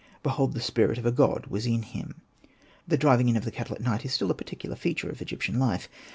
''Behold the spirit of a god was in him." The driving in of the cattle at night is still a particular feature of Egyptian life.